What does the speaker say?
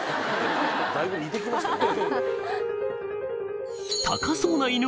だいぶ似てきましたね。